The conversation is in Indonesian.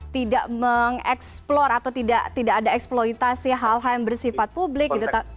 tidak mengeksplor atau tidak ada eksploitasi hal hal yang bersifat publik gitu